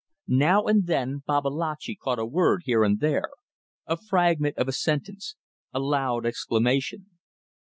Now and then Babalatchi caught a word here and there, a fragment of a sentence, a loud exclamation.